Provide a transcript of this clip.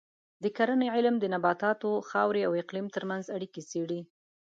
د کرنې علم د نباتاتو، خاورې او اقلیم ترمنځ اړیکې څېړي.